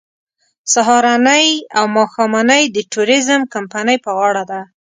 سهارنۍ او ماښامنۍ د ټوریزم کمپنۍ په غاړه ده.